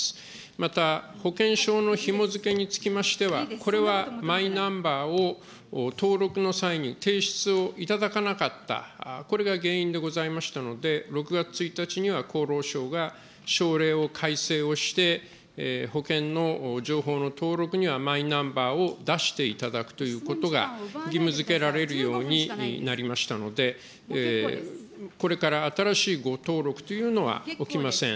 また、保険証のひも付けにつきましては、これはマイナンバーを、登録の際に提出を頂かなかった、これが原因でございましたので、６月１日には厚労省が省令を改正をして、保険の情報の登録にはマイナンバーを出していただくということが義務づけられるようになりましたので、これから新しい誤登録というのは起きません。